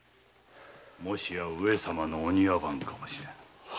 もしや上様のお庭番かもしれぬ。